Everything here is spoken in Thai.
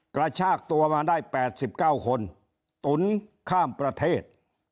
กระชากตัวมาได้แปดสิบเก้าคนตุ๋นข้ามประเทศ